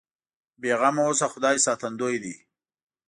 بې غمه اوسه خدای ساتندوی دی.